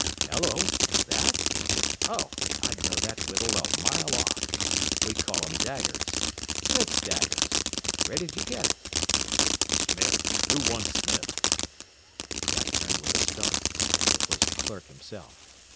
"Hello! That? Oh, I'd know that whittle a mile off. We call 'em daggers Smith's daggers. Where did you get it?" "Smith! Who wants Smith?" Jack turned with a start. It was the clerk himself.